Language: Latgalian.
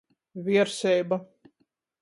Vierseiba.